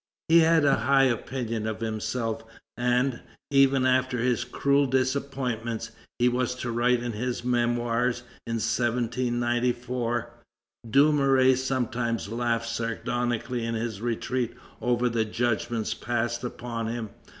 He had a high opinion of himself, and, even after his cruel disappointments, he was to write in his Memoirs, in 1794: "Dumouriez sometimes laughs sardonically in his retreat over the judgments passed upon him.